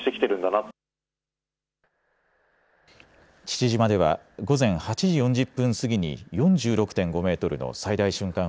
父島では午前８時４０分過ぎに４６．５メートルの最大瞬間